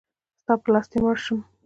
ستا په لاس دی مړ شم.